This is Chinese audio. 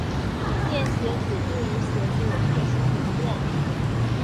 恋鞋指对于鞋子有特殊迷恋。